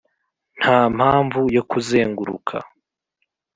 nta mpamvu yo kuzenguruka